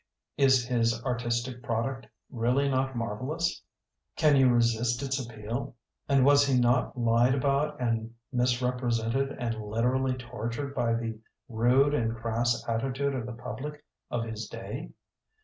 Is his artistic product really not marvelous? Can you resist its appeal? And was he not lied about and misrep resented and literally tortured by the rude and crass attitude of the public of his day?